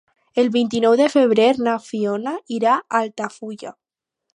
El vint-i-nou de febrer na Fiona irà a Altafulla.